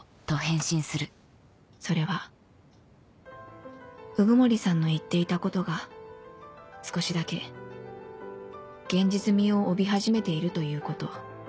それは鵜久森さんの言っていたことが少しだけ現実味を帯び始めているということ